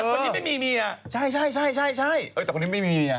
คนนี้ไม่มีเมียใช่ใช่ใช่แต่คนนี้ไม่มีเมีย